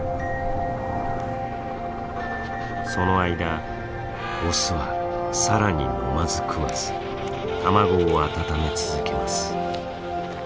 その間オスは更に飲まず食わず卵を温め続けます。